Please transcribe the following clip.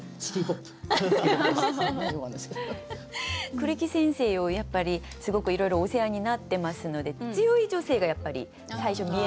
栗木先生をやっぱりすごくいろいろお世話になってますので強い女性がやっぱり最初見えますね。